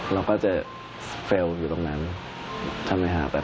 เราก็จะเฟลล์อยู่ตรงนั้นทำไมหาไป